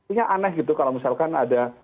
ini aneh gitu kalau misalkan ada